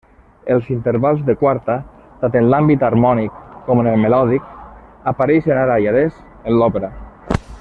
Els intervals de quarta —tant en l'àmbit harmònic com en el melòdic— apareixen ara i adés en l'òpera.